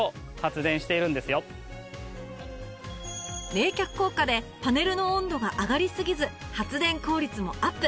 冷却効果でパネルの温度が上がりすぎず発電効率もアップ